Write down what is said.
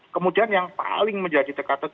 kemudian yang paling menjadi dekat dekat